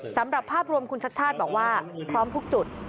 สำหรับภาพรวมคุณชัดชาติบอกว่าพร้อมทุกจุด